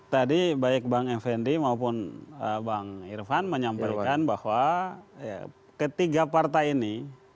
tadi baik bang effendi maupun bang irfan menyampaikan bahwa ketiga partai ini